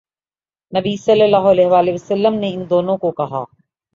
نبی صلی اللہ علیہ وسلم نے ان دونوں کو کہا